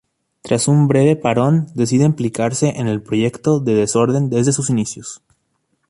Tras un breve parón decide implicarse en el proyecto de Desorden desde sus inicios.